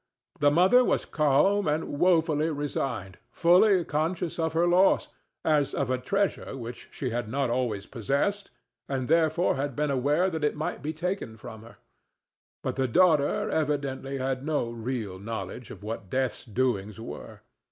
The mother was calm and woefully resigned, fully conscious of her loss, as of a treasure which she had not always possessed, and therefore had been aware that it might be taken from her; but the daughter evidently had no real knowledge of what Death's doings were.